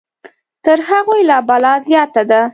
تر هغوی لا بلا زیاته ده.